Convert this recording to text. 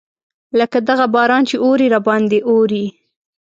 لکه دغه باران چې اوري راباندې اوري.